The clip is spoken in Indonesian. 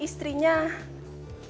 tidak ada apa apa